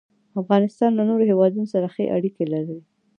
افغانستان له نورو هېوادونو سره ښې اړیکې لري.